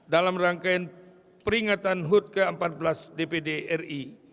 dalam rangkaian peringatan hud ke empat belas dpd ri